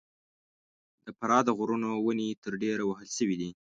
د فراه د غرونو ونې تر ډېره وهل سوي دي.